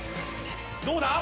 どうだ